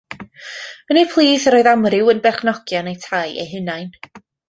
Yn eu plith yr oedd amryw yn berchenogion eu tai eu hunain.